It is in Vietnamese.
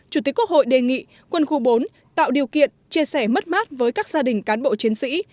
chủ tịch quốc hội đề nghị quân khu bốn tạo điều kiện chia sẻ mất mát với các gia đình cán bộ chiến sĩ